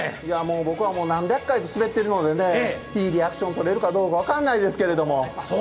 僕はもう何百回滑っているのでいいリアクションとれるかどうか分かりませんけれども。